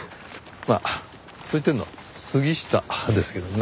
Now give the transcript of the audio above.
まあそう言ってるの杉下ですけどね。